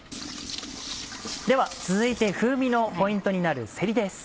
では続いて風味のポイントになるせりです。